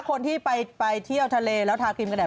คนที่ไปเที่ยวทะเลแล้วทาครีมกระดา